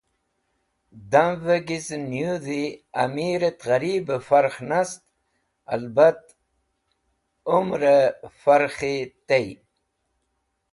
Demvẽ gizẽn nẽyũdhi amirẽt ghẽribẽ farkh nast albat ũmrẽ farkhi tey.